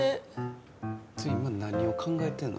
ちょ今何を考えてんの？